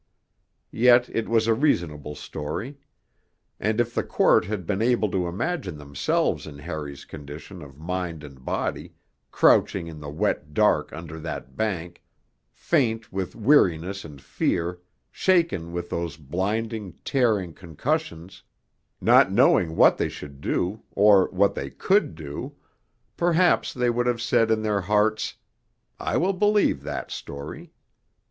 Yet it was a reasonable story. And if the Court had been able to imagine themselves in Harry's condition of mind and body, crouching in the wet dark under that bank, faint with weariness and fear, shaken with those blinding, tearing concussions, not knowing what they should do, or what they could do, perhaps they would have said in their hearts, 'I will believe that story.'